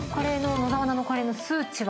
野沢菜のカレーの数値は？